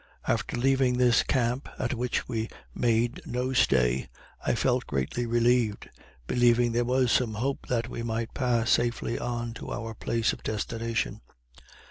After leaving this camp at which we made no stay I felt greatly relieved, believing there was some hope that we might pass safely on to our place of destination.